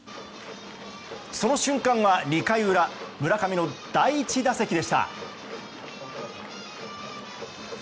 その瞬間は２回裏村上の第１打席でした。